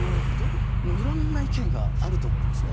色んな意見があると思うんですね。